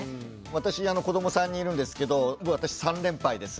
私子ども３人いるんですけど私３連敗です。